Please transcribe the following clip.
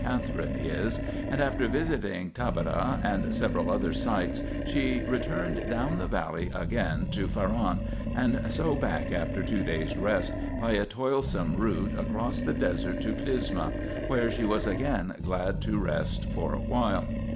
Catherine is), and after visiting Taberah and several other sites she returned down the valley again to Faran, and so back after two days' rest, by a toilsome route across the desert to Clysma, where she was again glad to rest for a while.